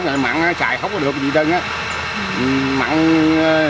mặn đây là cưới cây không được được có nước ăn là mình rồi